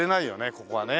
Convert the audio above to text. ここはね。